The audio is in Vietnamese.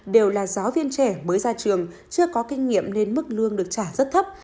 đều là giáo viên trẻ mới ra trường chưa có kinh nghiệm nên mức lương được trả rất thấp